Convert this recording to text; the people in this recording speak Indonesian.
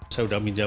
saya sudah menjam